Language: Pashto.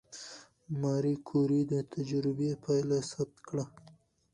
ماري کوري د تجربې پایله ثبت کړه.